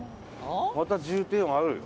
また重低音あるよ。